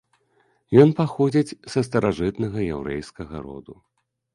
Ён паходзіць са старажытнага яўрэйскага роду.